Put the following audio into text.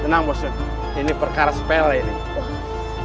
tenang bos ini perkara sepela ini